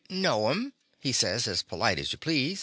"No 'm," he says, as polite as you please.